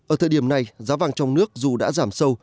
ở thời điểm này giá vàng trong nước dù đã giảm sâu